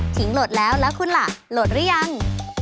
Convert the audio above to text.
โหลดแล้วแล้วคุณล่ะโหลดหรือยัง